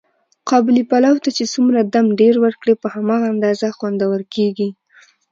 قابلي پلو ته چې څومره دم ډېر ور کړې، په هماغه اندازه خوندور کېږي.